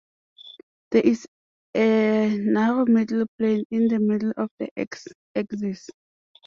There is a narrow middle plane in the middle of the "x"-axis.